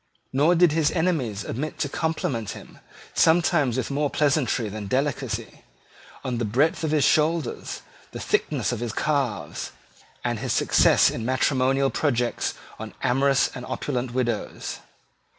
Nor did his enemies omit to compliment him, sometimes with more pleasantry than delicacy, on the breadth of his shoulders, the thickness of his calves, and his success in matrimonial projects on amorous and opulent widows.